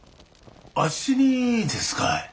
あっしにですかい？